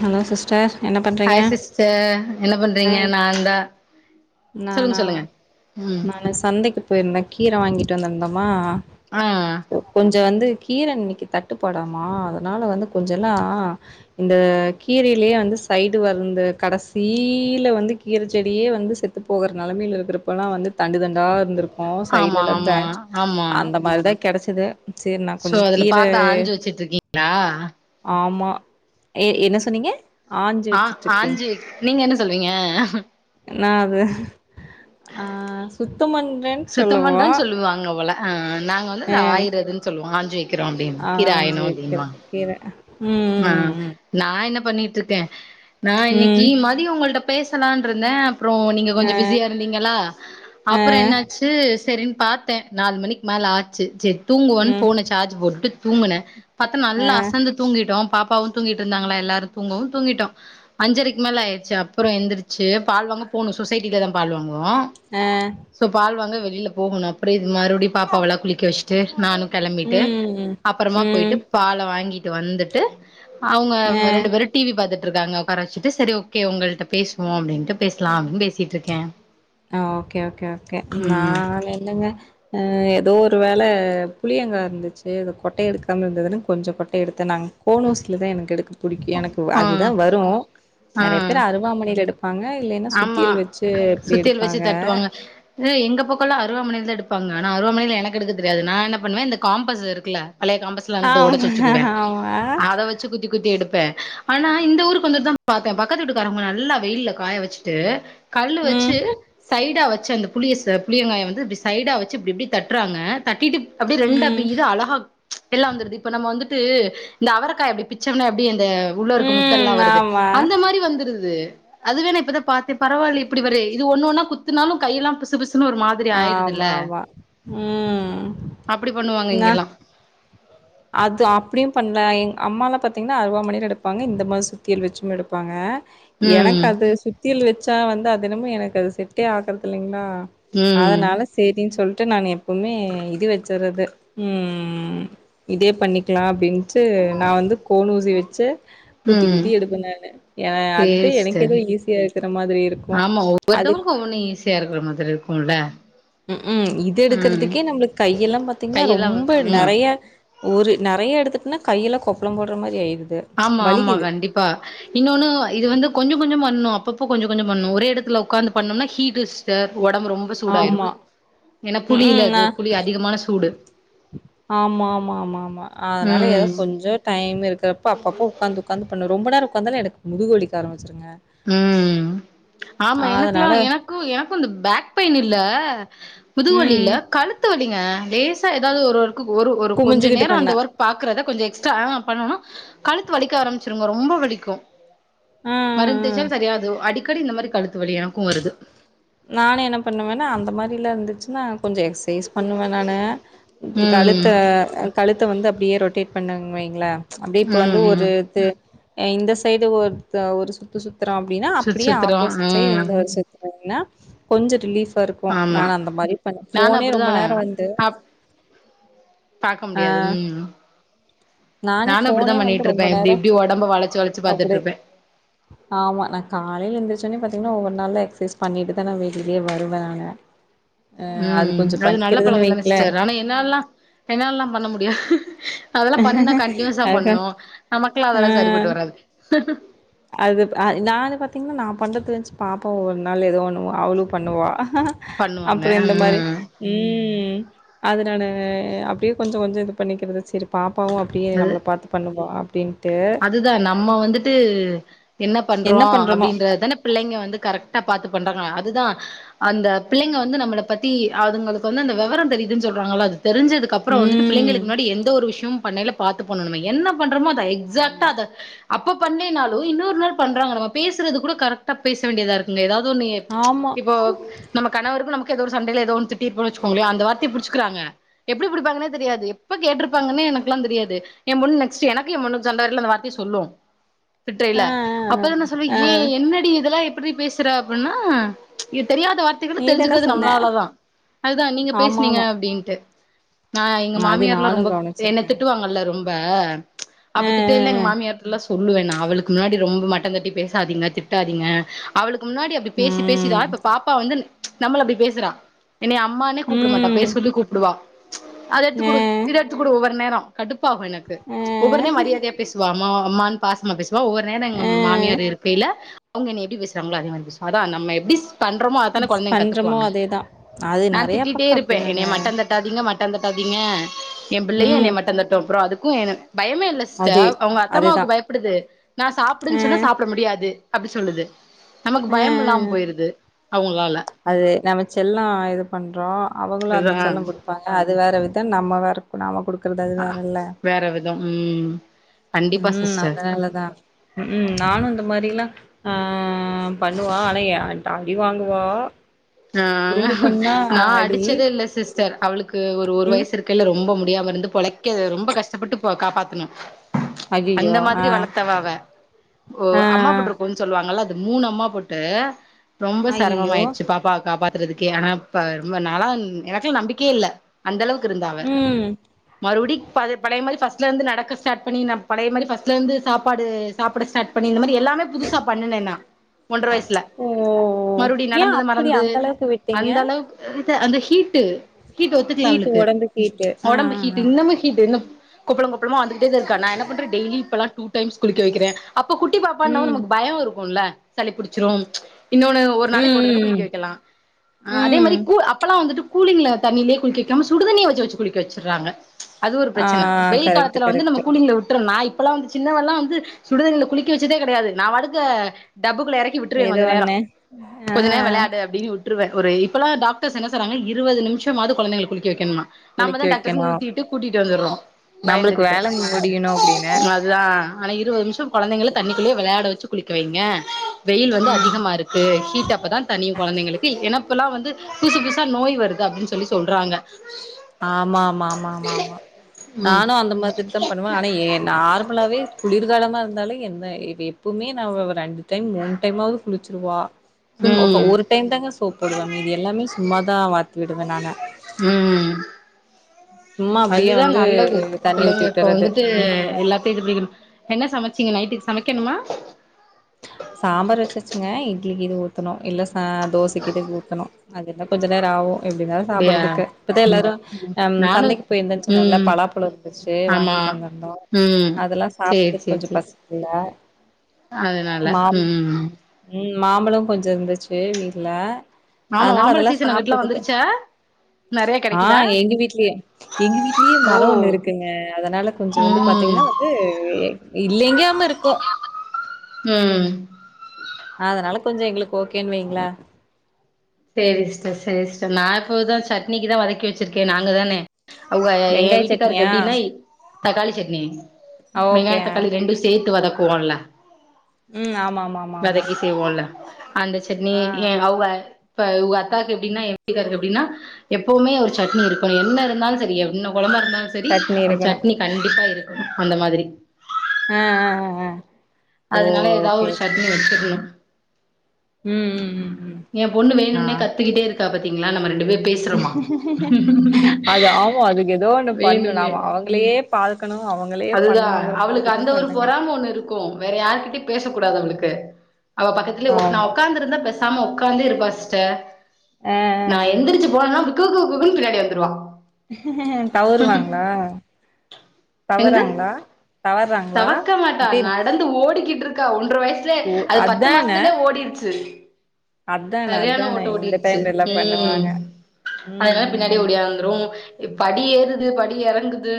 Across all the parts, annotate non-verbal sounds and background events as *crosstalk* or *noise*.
Hello sister என்ன பண்றீங்க hi sister என்ன பண்றீங்க ஹை நான் தான் சொல்லுங்க நானா சொல்லுங்க ம் நானு சந்தைக்கு போயிருந்தே கீர வாங்கிட்டு வந்திருந்தோமா ஆ கொஞ்ச வந்து கீர இன்னைக்கு தட்டுப்படாமா அதனால வந்து கொஞ்செல்லா இந்த கீரையிலயே வந்து சைடு வர்ந்த கடைசீயில வந்து கீர செடியே வந்து செத் த்து போகுற நெலமையில இருக்கிறப் இப்பல்லா வந்து தண்டு தண்டா இருந்திருக்கு ஆமா சைட்லல்லா ஆமா பேஞ் ஆமா அந்த மாறி தா கெடைச்சது சேரி நா சோ கொஞ்ச அதுல கீர பாத்து ஆஞ்சு வச்சுட்டு இருக்கீங்களா ஆம்மா ஏய் என்ன சொன்னீங்க ஆ வச்சுட்ருக்கே ஆஞ்சு நீங்க என்ன சொல்லுவீங்க நா அது ஆ சுத்தம் பண் சுத்தம் பண்றேன்னு சொல்லுவாங்க போல அ நாங்க வந்து ஆ ஆயிரதுன்னு சொல்லுவோ ஆஞ்சு வை க்கிறோம் அப்டின்னு கீர ஆயணு ஆஞ்சிருக்கு அப்டின்வாங்க கீர ஆ ம் ம் நான் என்ன பண்ணிட்ருக்கே நா இன்னைக்கு ம் ம டி உங்கள்ட பேசலான்ருந்தே அப்றோ நீங்க ஆ கொஞ்ச பிஸியா இருந்தீங்களா ஆ அப்பறோ என்னாச்சு சரின்னு பாத்தே நாலு மணிக்கு மேல ஆச்சு சேரி தூங்குவன்னு ம் போன் வச்சு சார்ஜ் போட்டு தூங்கின பாத்தா ஆ நல்லா அசந்து தூங்கிட் டோ பாப்பாவு தூங்கிட்ருந்தாங்களா எல்லாரு தூங்கவு தூங்கிட்டோ அஞ்சரைக்கு மேல ஆயிடுச்சு அப்பற எந்திரிச்சு பால்வாங்க போணு சொசைட்டில தா பால்வாங்குவோ ஆ சோ பால் வாங்க வெளியில போகணு அப்டி இது மறுபடி பாப்பாவல்லா குளிக்க வச்சுட்டு நானு கெளம்பிட்டு ம் அப்பறமா போயிட்டு ம் பால வாங்கிட்டு வந்துட் டு அவங்க ரெண்டு பேரு டி வி பாத்துட்டுருங்காக உக்கார வச்சிட்டு செரி ஓகே உங்கள்ட்ட பேசுவோ அப்டின்ட்டு பேசலா அப்டின்னு பேசிட்ருக்கே ஆ ஓகே ஓகே ஓகே நாள் இல்லங்க ஆ ஏதோ ஒரு வேல புளியங்கா இருந்துச்சு அத கொட்ட எடுக்காம இருந்ததுன்னு கொஞ்ச கொட்ட எடுத்தே நாங் கோனூசில தா எனக்கு எடுக்கு புடிக்கு எனக்கு ஆ அதுதா வரு ஆ நெறைய பேர் அருவாமனையில எடுப் ப்பாங்க இல்லைன்னா ஆமா சுத்தியல் வச்சு எப்டி எடுத் அ எங்க பக்கம்லா அருவாமனைல தா எடுப்பாங்கனா ஆனா அருவாமனையில எனக்கு எடுக்க தெரியாது நா என்ன பண்ணுவே இந்த காம்பஸ் இருக்குல பழைய காம்பஸ் அங்க ஒடச்சி ஆமா வச்சுகுவே ஆமா அத வச் சு குத்தி குத்தி எடுப்பே ஆனா இந்த ஊருக்கு வந்துட்டு தா பாத்தே பக்கத்து ஊட்டு காரங்க நல்லா வெயில்ல காய வச்சு ட்டு கல்லு ம் வச்சு சைடா வச்சு அந் புளிய ச புளியங்காய வந்து இப்டி சைடா வச்சு இப்டி இப்டி தட்டுறாங்க தட்டிட்டு அப்டியே ரெண்டா ம் இது அழகா எல்லா வந்துருது இப்ப நம்ம வந்துட்டு இந்த அவரக்காய அப்டி பிச்சம்னா எப்டி அந்த உள்ள இருக்கு முத்தெல்லா ம் வருது ஆமா அந்த மாறி வந்துருது அதுவே நா இப்பதா பாத்து பரவால்ல இப்டி வேற இது ஒன்னு ஒன்னா குத்துனாலு கையெல்லா பிசு பிசுனு ஒரு மா திரி ஆயிருதுல்ல ஆமா ஆமா ம் அப்டி பண்ணுவாங்க நா இங்கெல்லா அது அப்டியு பண்ல எங்க அம்மாலா பாத்தீங்கனா அறுவா மணைல எடுப்பாங்க இந்த மாரி சுத்தியல் வச்சு எடுப்பாங்க எனக்கு ம் அது சுத்தியல் வச்சா வந்து அதென்னமோ எனக்கு அது செட்டே ஆகுறது இல்லங்ளா ம் அதனால சேரின்னு சொல்ட்டு நானு எப்பமே இது வச்சறது ம் இதே பண்ணிக்லா அப்டின்ட்டு நா வந்து கோன் ஊசி வச்சு குத்தி ம் குத்தி எடுப்பே நானு ஏனா அது சேரி எனக்கு சிஸ்டர் எதோ ஈஸியா இருக்கிற மாதிரி இருக்கு ஆமா அது ஒவ்வொருத்தவங்களுக்கு ஒவ்வொன்னு ஈஸியா இருக்குற மாரி இருக்குல்ல ம் கூ இது ம் எடுக்றதுக்கே நம்ளுக்கு கையெல்லா பாத்தீங்கனா கையெல்லா ரொம்ப ம் நெறைய ஒரு நெறைய எடுத்துட்டுனா கையில கொப்பளொம் போடுற மாரி ஆயிது ஆமா ஆமா கண்டிப்பா இன்னொன்னு இது வந்து கொஞ்ச கொஞ்சொ பண்ணு அப்பப்போ கொஞ்ச கொஞ்சோ பண்ணு ஒரே எடத்துல உக்காந்து பண்ணோம்னா ஹீட்டு சிஸ்ட ஒடம்பு ரொம் ரொம்ப சூடாய்ரு ஆமா. ரொம்ப. ஏனா புளி இல்ல ம்ஹ்ம். அது நான் புளி அதிகமான சூடு ஆமா ஆமா ஆமா ஆமா அதனால ஏதோ ம் கொஞ்சோ டைம் இருக்கிறப்ப அப்பப்போ உக்காந்து உக்காந்து பண்வ ரொம்ப நேரோ உக்காந்தால எனக்கு முதுகு வலிக்க ஆரம்பிச்சுருங்க ம் ஆமா எனக்ல்லா அதனால எனக்கு எனக்கு இந்த பேக் பெயின் இல்ல முதுகு வலில்ல ம். கழுத்து வலிங்க லேசா ஏதாவது ஒரு ஒர்க் ஒரு ஒரு கொஞ்ச குமிஞ்சுகிட்டு நேரோ அந்த பண்ணேன். ஒர்க் பாக்கறத கொஞ்ச எக்ஸ்ட்ரா பண்ணோனா கழுத்து வலிக்க ஆரம்பிச்சிருங்க ரொம்ப வலிக்கு அ, அ, மருந்து அ. தேயச்ச்சால சரியாது அடிக்கடி இந்த மாதிரி கழுத்து வழி எனக்கு வருது நானு என்ன பண்ணுவேனா அந்த மாதிரிலா இருந்துச்சினா கொஞ்ச எக்சைஸ் பண்ணுவ நான ம் கழுத்த கழுத்த வந்து அப்டியே ரொட்டேட் பண்ணங்வைங்ள அப்டி இப்ப ம் வந்து ம் ஒரு இது இந்த சைடு ஒருத்த ஒரு சுத்து சு த்ரோ அப்டினா சுத் அப்டியே சுத்துறோ ஆப்போசிட் சைட் ம் ஒரு சுத்துனா கொஞ்ச ரிலீஃப் இருக்கு நா ஆமா அந்த மாரி பண் நானு ஃபோனே அப்டிதா ரொம்ப நேரோ வந்து அப் பாக்க ஆ முடியாது ம் நானே நானு அப்டிதா ஃபோனே வந்து ரொம்ப பண்ட்டுருப்பே இப்டி நேரோ இப்டி ஒடம்ப வளச்சி வளச்சி அப்டி பாத்துட்டுருப்பே ஆமா நா காலேல எந்திச்சோன்னே பாத்தீங்கன்னா ஒரு நாள்ல எக்ஸ்சேஸ் பண்ணிட்டு தானா வெளிலயே வருவனாங்க ம்ம் அது நல்ல பழக்க தான வைங்களே சிஸ்டர் ஆனா என்னாலலா என்னாலலா பண்ண முடியா அதெல்லா பண்ணா கண்டனியூஸா அதுதா பண்ணு நமக்கெல்லா அதெல்லா ஆ சரிப்பட்டு வராது அது ப ஆ நான்னு பாத்தீங்னா நா பண்றது வச்சி பாப்பாவு ஒரு நாள் ஏதோ வா பண்ணுவோ அவுளு பண்ணுவா பண்ணுவாங்க அப்றோ இந்த மாரி ம் ம் அதுனானு அப்டியே கொஞ்சோ கொஞ்சோ இது பண்ணிகிறது சேரிப் பாப்பாவு அப்டியே அது நம்மள பாத்து பண்ணுவா அப்டின்டு அதுதா நம்ம வந்துட்டு என்ன பண்றோ அப்டின்றதுதானப் பிள்ளைங்க வந்து கரெக்டா பாத்து பண்றாங்ளா அதுதா அந்த பிள்ளைங்க வந்து நம்மள பத்தி அதுங்களுக்கு வந்து அந்த வேவரம் தெரியுதுன்னு சொல்றாங்களா அது தெரிஞ்சது க்கப்பறோ வந்துட்டு ம் பிள்ளைங்களுக்கு முன்னாடி எந்த ஒரு விஷயோ பண்ணேல பாத்து பண்ணனுமே என்ன பண்றோமோ அத எக்சாட்டா ஆமா அத அப்ப பண்லேனாலு இன்னொரு நாள் பண்றாங்க நம்ம பேசுறது கூட கரெக்டா பேச வேண்டியதாருக் இங்க ஏதாவது ஒன்னேப் ஆமா இப்போ நம்ம கணவருக்கு நமக்கு ஏதோ ஒரு சண்டைல ஏதோ ஒன்னு திட்டீர்ப்போ வச்சுகோங்ளே அந்தா வார்த்தய புடிச்சுக்கிறாங்க எப்டி புடிப்பாங்கன்னே தெரியாது எப்ப கேட்டிருப்பாங்கன்னே எனக்குல்லா தெரியாது ஏ பொண்ணு நெக்ஸ்ட் எனக்கு ஏ பொண்ணுக்கு சண்ட வாரேல அந்த வார்த்தை சொல்லூ திட்ரேய்ல ஆ ஆ அப்ப நா சொல்லுவ ஆ ஏ என்னடி இதெல்லா எப் டி பேசுற அப்டின்னா இது தெரியாத வார்த் தைகள நீதான தெரிஞ்சிக்கிறது சொன்ன நம்மளாலதா அதுதா நீங்க ஆமா பேசினீங்க ஆமா அப்டின்டு ஆ எங்க அது மாமியார்லா நானு ரொம்பம் என்ன கவனிச்சிருக்கேங்க திட்டுவாங்கல்ல ரொம்ப ஆ ஆ அப்போ திட்டேயில்ல எங்க ஆ மாமியார் புல்லா சொ சொல்லுவ நா அவளுக்கு முன்னாடி ரொம்ப மட்ட தட்டி பேசாதீங்க திட்டாதீங்க அவளுக்கு முன்னாடியப் அப்டி பேசி பேசிதா ம் இப்ப பாப்பா வந்து நம்மள இப்டி பேசுறா என்ன அம்மான்னே கூப்ட மாட்டா ம் பேர் சொல்லி கூப்டுவா அத எடுத்து ஆ குடு இத எடுத்துக்குடு ஒவ்வொரு நேரோ கடுப்பாகு எனக்கு ஒவ்வொருனே மரியாதையா பேசுவா அம்மா அம்மான்னு பாசமா பேசுவா ஒவ்வொரு நேரோ எங்க ஆ ஆ மாமியார் இருக்கேல அவங்க என்ன எப்டி பேசுறாங்களோ அதே மாதிரி பேசுவா அதா நம்ம எப்டிஷ் பண்றோமோ அதான மிஸ் கொழந்தைங்க பண்றோமோ கத்துக்குவாங்க அதேதா அது நா நெறைய திட்டிட்டே பக்கோ இருப்ப அப்டிதாங்க என்னிய மட்டந்தட் டாதீங்க மட்ட தட்டாதீங்க ஏ பிள்ளையு என்னை ம் மட்ட தட்டு அப்ரோ அதுக்கு என பயமே இல்ல சி அதே ஸ்டர் அவங்க அதேதா அத்தம்மாவுக்கு பயப்படுது நா சாப்டுன்னு அ சொன்னா சாப்ட முடியாது அப்டி சொல்லுது நமக்கு அ பயம் இல்லாம அ போயிருது அவங்களால அது நம்ம செல்லோ இது பண்றோ அவங்களும் அந்த அதுதா செல்ல குடுப்பாங்க அது வேற விதோ நம்ம வேற இப்ப நாம குடுக்கறது அது அ வேற இல்ல வேற விதோ ம் கண்டிப்பா ம் சிஸ்டர் அதனாலதா ம்க்ம் நானு இந்த மாரி எல்லா ஆ பண்ணுவா ஆனா ஏ அடி வாங்குவா ஆ குறும்பு பண்ணா நா அடி அடிச்சதே இல்ல சிஸ் டர் அவளுக்கு ஒரு ஒரு ம் வயசு இருக்குல்ல ரொம்ப முடியாம இருந்து பொழைக்க ரொம்ப கஷ்டப்பட்டு காப்பாத்துனோ அந்த அய்யய்யோ ஆ மாரி வளத்தவ அவ ஓ ஆ அம்மா போட்டுரு சொல்லுவாங்க அது மூணு அம்மா போட்டு ரொம்ப சிரமம் அய்யய்யோ ஆயிடுச்சு பாப் ப்பாவ காப்பத்தறதுக்கே ஆனா இப்ப ரொம்ப நாளா எனக்கெல்லா நம்பிக்கையே இல்ல அந்த அளவுக்கு இருந்தா அவ ம் மறுபடி பழய மாரி ஃபஸ்ட்ல இருந்து நடக்க ஸ்டார்ட் பண்ணி பழைய மாரி ஃபஸ்ட்ல இருந்து சாப்பாடு சாப்பிட ஸ்டாட் பண்ணி இந்த மாரி எல்லாமே புதுசா பண்ணுனே நா ஒன்றர வயசுல ஓ மறுபடியு ஏ நடந்தத அப்படி மறந்து அந்த அளவுக்கு விட்டீங்க அந்த அளவுக்கு அது அந்த ஹீட்டு ஹீட் ஒத்துக்கல ஹீட்டு அவளுக்கு ஒடம்புக்கு ஹீட்டு ஆ ஒடம்பு ஆ ஹீட்டு ஆ இன்னமு ஹீட்டு இன்னு கொப்பள கொப்பளமா வந்துட்டே தா இருக்கு நா என்ன பண்றே டெய்லி இப்பெல்லா டூ டைம்ஸ் குளிக்க வெக்கிறே அப்போ குட்டி பாப்பான்னு ம் நமக்கு பய இருக்குல்ல சளி பிடிச்சிரு இன்னொன்னு ஒரு நாளிக்கி ம் ஒரு தடவ ம் ம் குளிக்க வெக்கலா அதே ம் மாதிரி கூ அப்பெல்லா வந்துட்டு கூலிங்ல தண்ணியிலயே குளிக்க வைக்காம சுடு தண்ணியே வெச்சு வெச்சு குளிக்க வெச்சறாங்க அது ஒரு ஆ பிரச்சன வெயில் கரெக்ட்டு காலத்துல வந்து நம்ம கரெக்ட்டு கூழிங்கள விட்டற நா இப் பெல்லா வந்து சின்னவெல்லா வந்து சுடுதண்ணில குளிக்க வெச்சதே கெடையாது நா பாட்டுக்கு டப்புக்குள்ள எறக்கி விட்டுருவே எதோ கொஞ்ச நேரோ ஒண்ணு ஆ கொஞ்ச நேரோ வெளாயாடு அப்டினு விட்டுறுவே ஒரு இப்பெல்லா டாக்டர்ஸ் என்ன சொல்றாங்க இருவது நிமிஷமாவது கொழந்தைகள குளிக்க வைக்கணுமா குளிக்க நம்மதா டக் டக்குன்னு வைக்கணு ஊத்திட்டு கூட்டிட்டு வந்துறோ நம்மளுக்கு பயந்துகிட்டு வேல முடியணு அப்டின்னு தா ஆனா இருவது நிமிஷோ கொழந்தைங்கள தண்ணிக்குள்ளயே வெளாட வெச்சு குளிக்க வைங்க வெயில் வந்து ம் அதிகமா இருக் கு ஹீட் அப்பதா தனியு கொழந்தைங்களுக்கு ஏன்னா இப்ப எல்லா வந்து புதுசு புதுசா நோய் வருது அப்டின்னு சொல்லி சொல்றாங்க ஆமா ஆமா ஆமா ஆமா ஆமா ம் நானு அந்த மாதிரி தா பண்ணுவ ஆனா நார்மலாவே குளிர்காலமா இருந்தாலு எந்த எப்பவுமே நா ரெண்டு டைம் மூணு டைமாவது குளிச்சிருவா சும்மா ம் ஒரு டைம் தாங்க சோப் போடுவே மீதி எல்லாமே சும்மாதா வாத்தி விடுவே நானு ம் சும்மா அப்டியே அதுதா வந்து நல்லது தண்ணி பிள்ளிங்க ஊத்தி இப்போ விட்டுறது வந்துட்டு ம் எல்லாத்தையு இது பண்ணி என்ன சமச்சீங்க நைட்டுக்கு சமைக்கணுமா சாம்பார் வெச்சாச்சுங்க இட்லி கீது ஊத்தணு இல்ல சா தோசக்கீது ஊத் தனு அது இன்னு கொஞ்ச நேர ஆவு எப்டினாலு அப்டியா சாப்பிட்றதுக்கு இப்பதா எல்லாரு நானு சந்திக்கி போயிருந்தேன்னு சொன்னே இல்ல ம் பலாப்பல இருந்துச்சு ஆமா வாங்கிட்டு வந்திருந்தோ ம் அதெல்லா சேரி சாப்பிட்டது கொஞ்சோ பசிக்கல்ல அதுனால ம் ம் மாம்பழோ கொஞ்சோ இருந்துச்சு வீட்ல ஆமா அதனால மாம்பழ அதெல்லா சீசன் அங்கிட்டுலா சாப்பிட்டதுக்கு வந்துருச்சா நெறைய ஆ கெடைக்குதா எங்க வீட்லயே எங்க வீட்லயே ஓ மரோ ஒண்ணு இருக்குங்க அதனால கொஞ்சோ வந்து ம் பாத்தீங்கன்னா வந்து இல்லிங்காம இருக்கு ம் அதனால கொஞ்சோ எங்களுக்கு ஓகேன்னு வைங்களே சேரி சிஸ்டர் சேரி சிஸ்டர் நா இப்போ தா சட்னிக்குதா வதக்கி வெச்சிருக்கே நாங்க தானே அவுங்க என் வெங்காய வீட்டுக்காருக்கு சட்னியா எப்டின்னா தக்காளி சட்னி ஓகே வெங்காய தக்காளி ரெண்டு சேத்து வதக்குவோல ம் ஆமா ஆமா ஆமா ஆமா வதக்கி செய்வோல அந்த சட்னி ஆ எ அவுங்க இப்ப உக அத்தாக்கு எப்டினா எ விட்டுக்காருக்கு எப்டின்னா எப்பவுமே ஒரு சட்னி இருக்கணு என்ன இருந்தாலு சேரி என்ன கொழம்ப இருந்தாலு சேரி சட்னி அது இருக்கணு சட்னி கண்டிப்பா இருக்கு அந்த மாதிரி ஆ ஆ ஆ ஆ ஓ அதுனால ஏதாவு ஓகே ஒரு ஓகே சட்னி வச்சிகுணு ம் ம் ம் ம் எ பொண்ணு ஆ வேணும்னே கத்துக்கிட்டே இருக்கா பாத்தீங்களா நம்ம ரெண்டு பேர் பேசுறோமா அது ஆமா அதுக்கு ஏதோ ஒன்னு பண்ணுனு வேணும்னே நாம அவுங்களயே அதுதா அவளுக்கு அந்த ஒரு பண்ணுங்க பொறாம ஒண்ணு இருக்கு வேற யார்கிட்டயு பேசக்க கூடாது அவ்ளுக்கு அவ பக்கத்துலே நா ஆமா உக்காந்து இருந்தா பேசாம உக்காந்தே இருப்பா சிஸ்டர் ஆ ஆ நா ஆ எந்திரிச்சு போனனா *unintelligible* பின்னாடி வந்துருவா தவறுவாங்களா என்னது தவறாங்களா தவறாங்களா தவக்க மாட்டா அப்டின்னு நடந்து ஓடிக்கிட்ருக் கா ஓன்ற வய்சுலே ஓ அது பத்து மாசத்துலயே அதான ஓடிடுச்சு அதானே சரியான அதானே ஓட்டோ இந்த ஓடிடுச்சு டைம்ல எல்லா பண்ணுவாங்க ம் அதனால ம் பின்னாடியே ம் ஓடியாந்துரு படி ஏறுது படி எறங்குது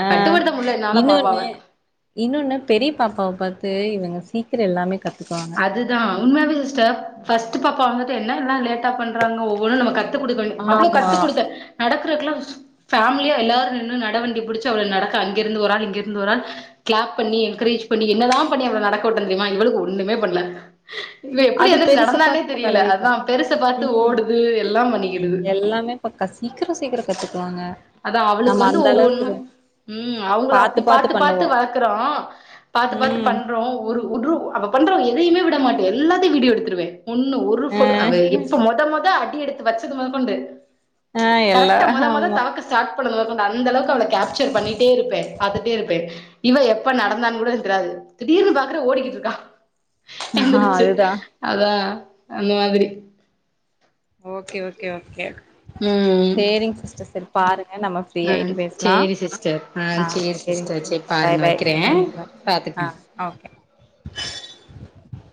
ஆ கட்டுப்படுத்த முடில என்னால இன்ன பாப்பாவ ஒன்னு இன்னொன்னு பெரிய பாப்பாவ பாத்து இவ்ங்க சீக்கிர எல்லாமே கத்துக்குவாங் அதுதா உண்மயவே சிஸ்டர் ஃபஸ்ட் பாப்பா வந்துட்டு என்ன எல்லா லேட்டா பண்றாங்க ஒவ்வொன்னு நம்ம கத் து குடுக்க அவ்வளோ ஆமா கத்து குடுத்தே நடக்கிறதுக்குல்லா ஃபேமிலியா எல்லாரு நின்னு நடவண்டியா புடிச்ச அவள நடக்க அங்கிருந்து ஒரு ஆள் இங்கிருந்து ஒரு ஆள் க்ளாப் பண்ணி என்கரேஜ் பண்ணி என்னலா பண்ணி அவள நடக்கவுட்ட தெரியுமா இவளுக்கு ஒண்ணமே பண்ணல இவ எப்டி அது எந்திரிச்சு பெருச நடந்தானே பாத்து இப்ப தெரியல அதா கலவிக்கு பெருச பாத்து ம் ஓடுது எல்லா பண்ணிக்குது எல்லாமே பக்கா சீக்கிர சீக்கிர கத்துக்குவாங்க அதா நம்ம அவுளுக்கு வந்து அந்த அளவுக்கு ஒவ்வொன்னு இது ம் அவுங்கள அப்டி பாத்து பாத்து வளக்கறோ பாத்து பாத்து ம் பண்றோ ஒரு ஒரூ அவ பண்ற எதையமே விட மாட்டே எல்லாத்தையு வீடியோ எடுத்துடுவே ஒன்னு ஒ ரு ஆ போட்டோ அவ எப்ப மொத மொத அடி எடுத்து வச்சது மொதகொண்டு ஆ எல்லா கரெட்டு மொத மொத ஆமா தவக்க ஸ்டார்ட் பண்ண *unintelligible* அந்த அளவுக்கு அவள கேப்சர் பண்ணிட்டே இருப்பே பாத்துட்டே இருப்பே இவ எப்ப நடந்தான்னு கூட என்க் தெரது திடீர்னு பாக்குறே ஓடிக்கிட்டு இருக்கா எந்துருச்சு அதுதா அதா அந்தமாதிரி ஓகே ஓகே ஓகே ம் சேரிங்க சிஸ்டர் சேரி பாருங்க நம்ம ஃப்ரீ ஆ ஆய்ட்டு பேசலா சேரி சிஸ்டர் ஆ சேரி சிஸ்டர் *inaudible* பாய் பாருங்க பாய் வைக்கிறே ம் பாய் ஆ பாத்துக்குங்க ஓகே